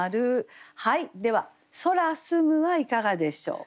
はいでは「空澄む」はいかがでしょう。